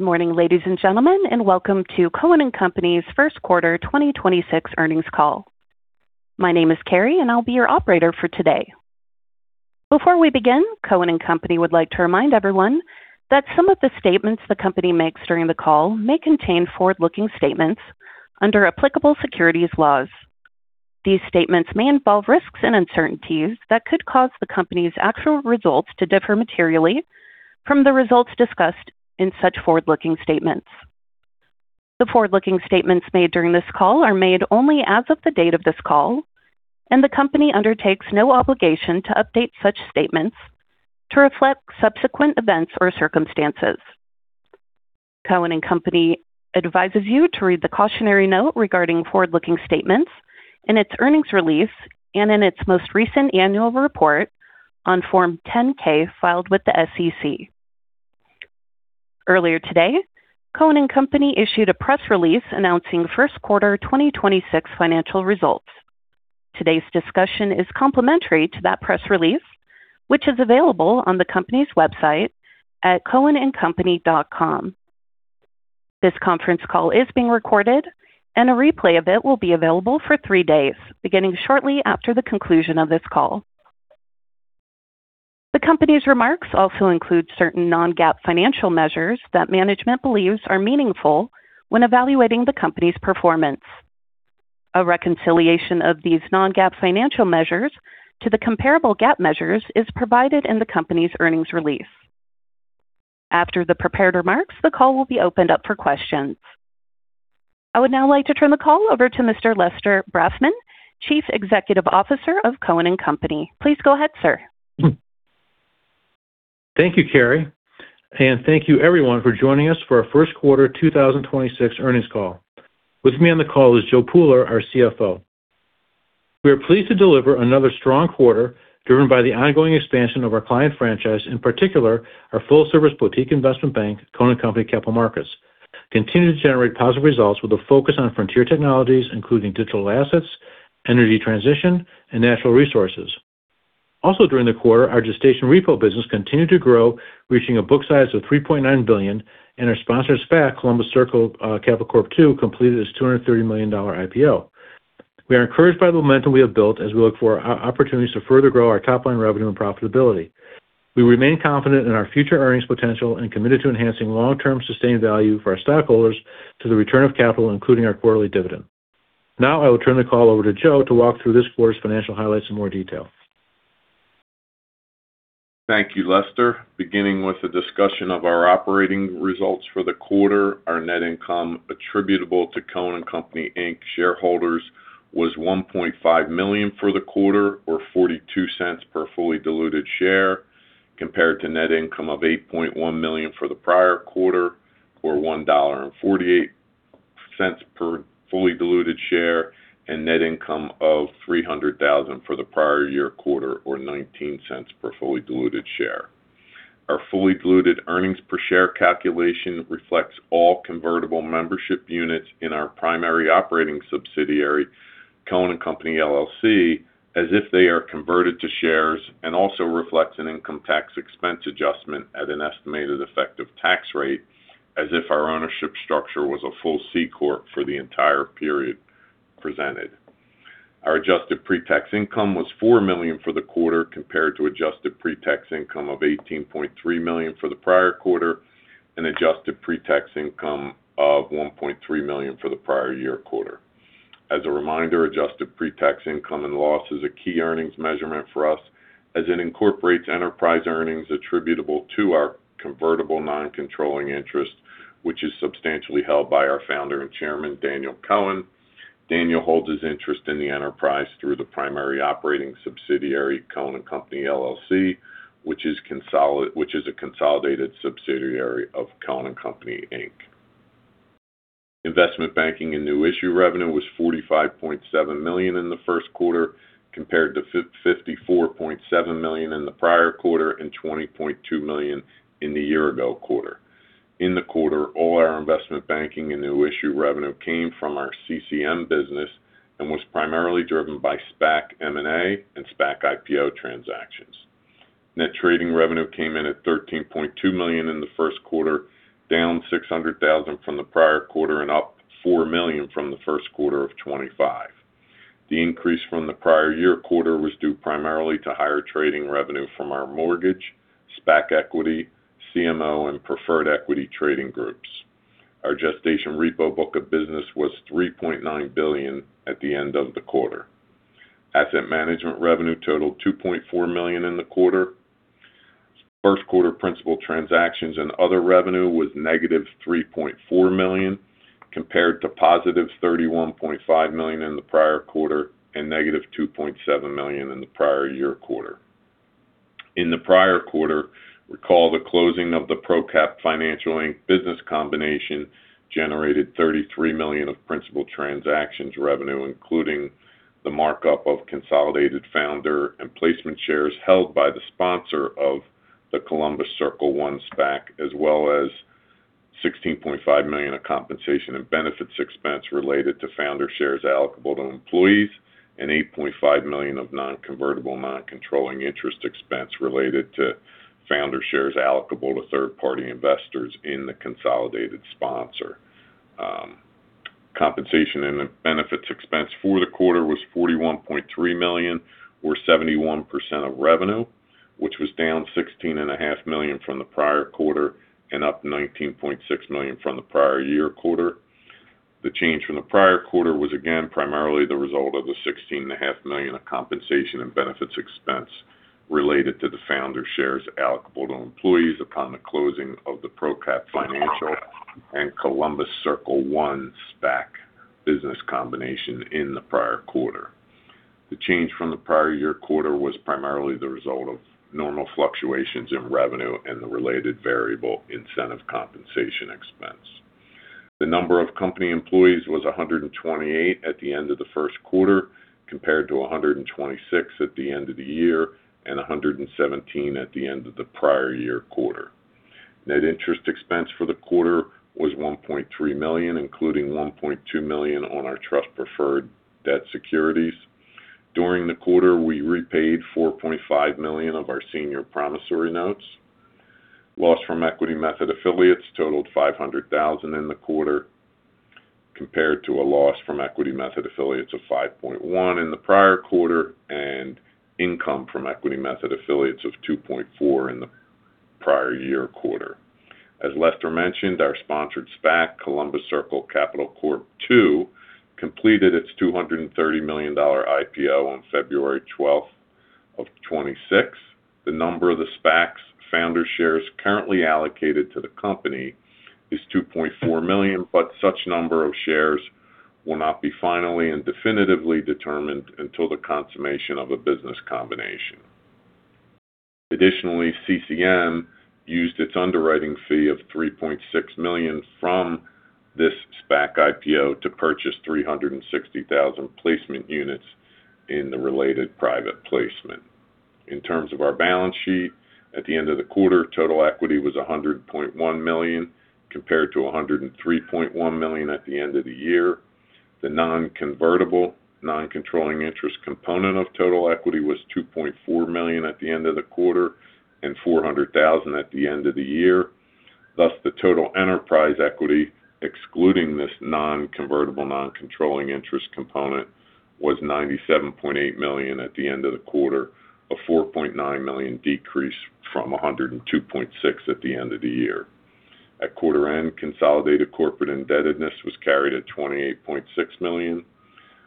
Morning, ladies and gentlemen, and welcome to Cohen & Company's first quarter 2026 earnings call. My name is Carrie, and I'll be your operator for today. Before we begin, Cohen & Company would like to remind everyone that some of the statements the company makes during the call may contain forward-looking statements under applicable securities laws. These statements may involve risks and uncertainties that could cause the company's actual results to differ materially from the results discussed in such forward-looking statements. The forward-looking statements made during this call are made only as of the date of this call, and the company undertakes no obligation to update such statements to reflect subsequent events or circumstances. Cohen & Company advises you to read the cautionary note regarding forward-looking statements in its earnings release and in its most recent annual report on Form 10-K filed with the SEC. Earlier today, Cohen & Company issued a press release announcing first quarter 2026 financial results. Today's discussion is complementary to that press release, which is available on the company's website at cohenandcompany.com. This conference call is being recorded, and a replay of it will be available for three days, beginning shortly after the conclusion of this call. The company's remarks also include certain non-GAAP financial measures that management believes are meaningful when evaluating the company's performance. A reconciliation of these non-GAAP financial measures to the comparable GAAP measures is provided in the company's earnings release. After the prepared remarks, the call will be opened up for questions. I would now like to turn the call over to Mr. Lester Brafman, Chief Executive Officer of Cohen & Company. Please go ahead, sir. Thank you, Carrie, and thank you everyone for joining us for our first quarter 2026 earnings call. With me on the call is Joe Pooler, our CFO. We are pleased to deliver another strong quarter driven by the ongoing expansion of our client franchise, in particular, our full-service boutique investment bank, Cohen & Company Capital Markets, continue to generate positive results with a focus on frontier technologies, including digital assets, energy transition, and natural resources. During the quarter, our gestation repo business continued to grow, reaching a book size of $3.9 billion, and our sponsor SPAC, Columbus Circle Capital Corp. II, completed its $230 million IPO. We are encouraged by the momentum we have built as we look for opportunities to further grow our top-line revenue and profitability. We remain confident in our future earnings potential and committed to enhancing long-term sustained value for our stockholders to the return of capital, including our quarterly dividend. Now, I will turn the call over to Joe to walk through this quarter's financial highlights in more detail. Thank you, Lester. Beginning with the discussion of our operating results for the quarter, our net income attributable to Cohen & Company Inc. shareholders was $1.5 million for the quarter, or $0.42 per fully diluted share, compared to net income of $8.1 million for the prior quarter, or $1.48 per fully diluted share, and net income of $300,000 for the prior year quarter, or $0.19 per fully diluted share. Our fully diluted earnings per share calculation reflects all convertible membership units in our primary operating subsidiary, Cohen & Company, LLC, as if they are converted to shares, and also reflects an income tax expense adjustment at an estimated effective tax rate as if our ownership structure was a full C corp for the entire period presented. Our adjusted pre-tax income was $4 million for the quarter, compared to adjusted pre-tax income of $18.3 million for the prior quarter and adjusted pre-tax income of $1.3 million for the prior year quarter. As a reminder, adjusted pre-tax income and loss is a key earnings measurement for us as it incorporates enterprise earnings attributable to our convertible non-controlling interest, which is substantially held by our Founder and Chairman, Daniel Cohen. Daniel holds his interest in the enterprise through the primary operating subsidiary, Cohen & Company, LLC, which is a consolidated subsidiary of Cohen & Company Inc. Investment banking and new issue revenue was $45.7 million in the first quarter, compared to $54.7 million in the prior quarter and $20.2 million in the year-ago quarter. In the quarter, all our investment banking and new issue revenue came from our CCM business and was primarily driven by SPAC M&A and SPAC IPO transactions. Net trading revenue came in at $13.2 million in the first quarter, down $600,000 from the prior quarter and up $4 million from the first quarter of 2025. The increase from the prior year quarter was due primarily to higher trading revenue from our mortgage, SPAC equity, CMO, and preferred equity trading groups. Our gestation repo book of business was $3.9 billion at the end of the quarter. Asset management revenue totaled $2.4 million in the quarter. First quarter principal transactions and other revenue was -$3.4 million, compared to +$31.5 million in the prior quarter and -$2.7 million in the prior year quarter. In the prior quarter, recall the closing of the ProCap Financial, Inc. business combination generated $33 million of principal transactions revenue, including the markup of consolidated founder and placement shares held by the sponsor of the Columbus Circle I SPAC, as well as $16.5 million of compensation and benefits expense related to founder shares allocable to employees and $8.5 million of non-convertible non-controlling interest expense related to founder shares allocable to third-party investors in the consolidated sponsor. Compensation and benefits expense for the quarter was $41.3 million, or 71% of revenue, which was down $16.5 million from the prior quarter and up $19.6 million from the prior year quarter. The change from the prior quarter was again, primarily the result of the $16.5 million of compensation and benefits expense related to the founder shares allocable to employees upon the closing of the ProCap Financial and Columbus Circle I SPAC business combination in the prior quarter. The change from the prior year quarter was primarily the result of normal fluctuations in revenue and the related variable incentive compensation expense. The number of company employees was 128 at the end of the first quarter, compared to 126 at the end of the year and 117 at the end of the prior year quarter. Net interest expense for the quarter was $1.3 million, including $1.2 million on our trust preferred debt securities. During the quarter, we repaid $4.5 million of our senior promissory notes. Loss from equity method affiliates totaled $500,000 in the quarter, compared to a loss from equity method affiliates of $5.1 million in the prior quarter and income from equity method affiliates of $2.4 million in the prior year quarter. As Lester mentioned, our sponsored SPAC, Columbus Circle Capital Corp. II, completed its $230 million IPO on February 12th, 2026. The number of the SPAC's founder shares currently allocated to the company is 2.4 million, but such number of shares will not be finally and definitively determined until the consummation of a business combination. Additionally, CCM used its underwriting fee of $3.6 million from this SPAC IPO to purchase 360,000 placement units in the related private placement. In terms of our balance sheet, at the end of the quarter, total equity was $100.1 million, compared to $103.1 million at the end of the year. The non-convertible, non-controlling interest component of total equity was $2.4 million at the end of the quarter and $400,000 at the end of the year. Thus, the total enterprise equity, excluding this non-convertible, non-controlling interest component, was $97.8 million at the end of the quarter, a $4.9 million decrease from $102.6 at the end of the year. At quarter end, consolidated corporate indebtedness was carried at $28.6 million.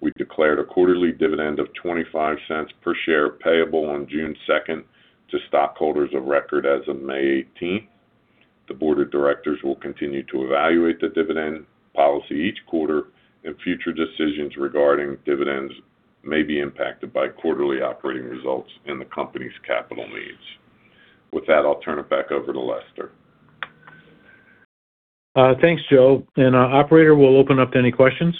We declared a quarterly dividend of $0.25 per share payable on June 2nd to stockholders of record as of May 18th. The board of directors will continue to evaluate the dividend policy each quarter, and future decisions regarding dividends may be impacted by quarterly operating results and the company's capital needs. With that, I'll turn it back over to Lester. Thanks, Joe. Operator, we'll open up to any questions.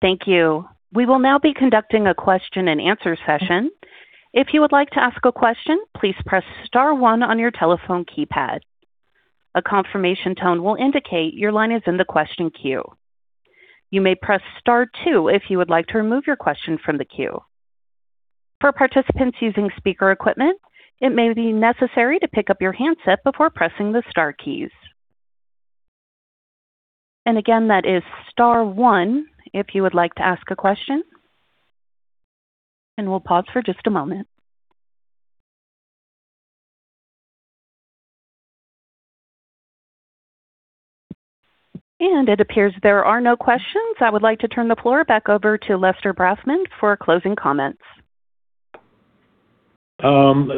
Thank you. We will now be conducting a question-and-answer session. If you would like to ask a question, please press star one on your telephone keypad. A confirmation tone will indicate your line is in the question queue. You may press star two if you would like to remove your question from the queue. For participants using speaker equipment, it may be necessary to pick up your handset before pressing the star keys. Again, that is star one if you would like to ask a question. We'll pause for just a moment. It appears there are no questions. I would like to turn the floor back over to Lester Brafman for closing comments.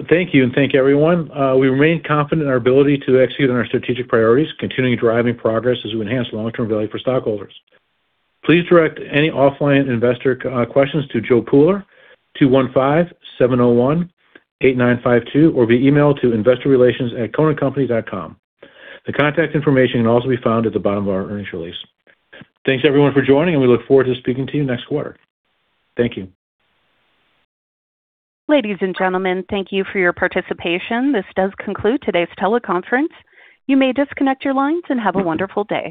Thank you, and thank you, everyone. We remain confident in our ability to execute on our strategic priorities, continuing driving progress as we enhance long-term value for stockholders. Please direct any offline investor questions to Joe Pooler, 215-701-8952, or via email to investorrelations@cohenandcompany.com. The contact information can also be found at the bottom of our earnings release. Thanks, everyone, for joining, and we look forward to speaking to you next quarter. Thank you. Ladies and gentlemen, thank you for your participation. This does conclude today's teleconference. You may disconnect your lines, and have a wonderful day.